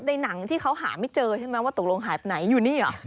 ในหนังที่เขาหาไม่เจอใช่ไหมว่าตกลงหายไปไหนอยู่นี่เหรอ